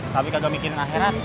tapi kagak mikirin akhirat